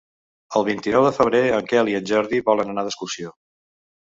El vint-i-nou de febrer en Quel i en Jordi volen anar d'excursió.